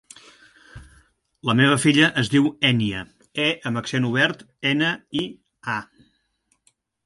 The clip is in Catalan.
La meva filla es diu Ènia: e amb accent obert, ena, i, a.